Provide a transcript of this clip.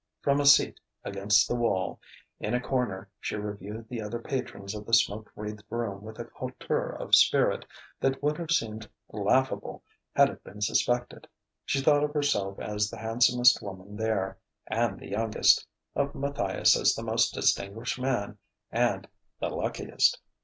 From a seat against the wall, in a corner, she reviewed the other patrons of the smoke wreathed room with a hauteur of spirit that would have seemed laughable had it been suspected. She thought of herself as the handsomest woman there, and the youngest, of Matthias as the most distinguished man and the luckiest.